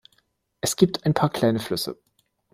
Es gibt ein paar kleine Flüsse.